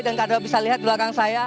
dan kalian bisa lihat di belakang saya